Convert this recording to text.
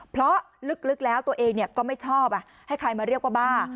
เพราะลึกแล้วตัวเองก็ไม่ชอบให้ใครมาเรียกว่าบ้า